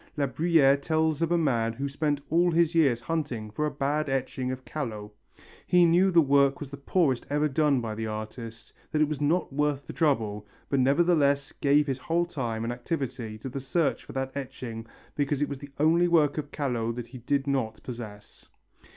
La Bruyère tells of a man who spent all his years hunting for a bad etching of Callot. He knew the work was the poorest ever done by the artist, that it was not worth the trouble, but he nevertheless gave his whole time and activity to the search for that etching because it was the only work of Callot that he did not possess.